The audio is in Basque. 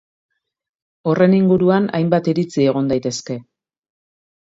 Horren inguruan hainbat iritzi egon daitezke.